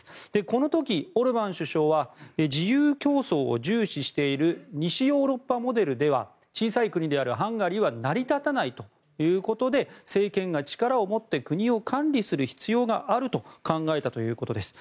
この時、オルバン首相は自由競争を重視している西ヨーロッパモデルでは小さい国であるハンガリーは成り立たないということで政権が力を持って国を管理する必要があると考えたということです。